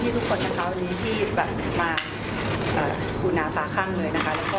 ทุกคนที่มาอุณาภาคั่งเลยนะคะ